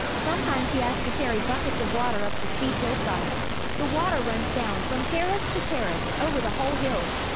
Sometimes he has to carry buckets of water up the steep hillside. The water runs down from terrace to terrace over the whole hill.